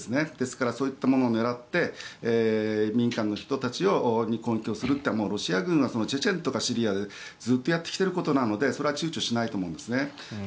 ですからそういったものを狙って民間の人たちに攻撃するというのはロシア軍はチェチェンとかシリアでずっとやってきていることなのでそれは躊躇しないと思うんです。